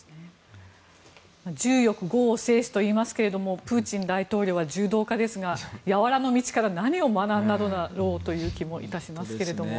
柔よく剛を制すといいますがプーチン大統領は柔道家ですが柔の道から何を学んだのだろうという気も致しますが。